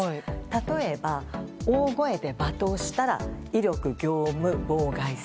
例えば、大声で罵倒したら威力業務妨害罪。